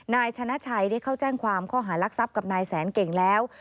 นายชนะชัยได้เข้าแจ้งความข้อหารักทรัพย์กับนายแสนเก่งแล้ว